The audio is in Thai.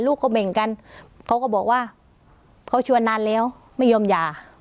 ลูกก็เบ่งกันเขาก็บอกว่าเขาชวนนานแล้วไม่ยอมหย่า